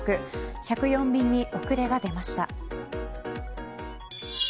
１０４便に遅れが出ました。